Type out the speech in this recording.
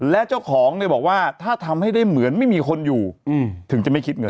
และเจ้าของเนี่ยบอกว่าถ้าทำให้ได้เหมือนไม่มีคนอยู่ถึงจะไม่คิดเงิน